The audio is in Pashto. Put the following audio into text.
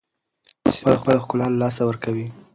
سیمه خپل ښکلا له لاسه ورکوي.